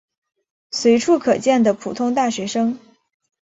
随处可见的普通大学生。